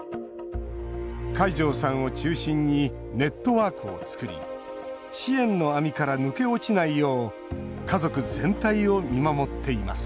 海上さんを中心にネットワークを作り支援の網から抜け落ちないよう家族全体を見守っています